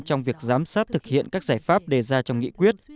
trong việc giám sát thực hiện các giải pháp đề ra trong nghị quyết